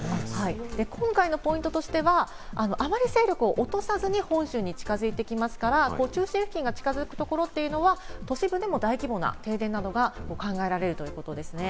今回のポイントとしては、あまり勢力を落とさずに本州に近づいてきますから、中心付近が近づくところというのは、都市部でも大規模な停電などが考えられるということですね。